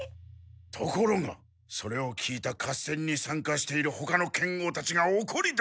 ところがそれを聞いた合戦にさんかしているほかの剣豪たちがおこりだして。